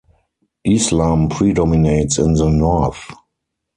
Islam predominates in the north.